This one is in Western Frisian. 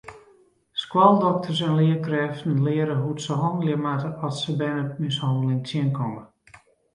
Skoaldokters en learkrêften leare hoe't se hannelje moatte at se bernemishanneling tsjinkomme.